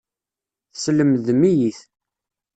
Teslemdem-iyi-t.